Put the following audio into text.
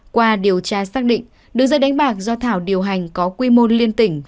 qua điều tra xác định đường dây đánh bạc do thảo điều hành có quy mô liên tỉnh